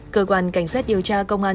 cơ quan cảnh sát điều tra công an